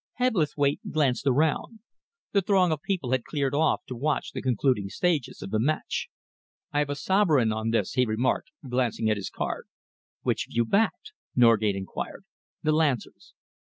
Hebblethwaite glanced around. The throng of people had cleared off to watch the concluding stages of the match. "I have a sovereign on this," he remarked, glancing at his card. "Which have you backed?" Norgate enquired. "The Lancers."